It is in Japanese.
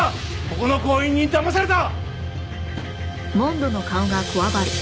ここの行員にだまされた！